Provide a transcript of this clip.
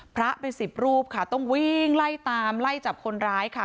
พระเป็นสิบรูปค่ะต้องวิ่งไล่ตามไล่จับคนร้ายค่ะ